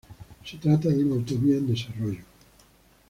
Se trata de una autovía en desarrollo.